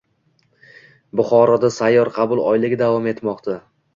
Buxoroda “Sayyor qabul oyligi” davom etmoqda